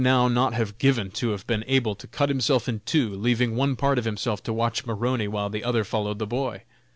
] What would Roch now not have given to have been able to cut himself in two, leaving one part of himself to watch Maroney while the other followed the boy?